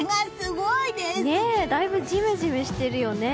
だいぶ、ジメジメしてるよね。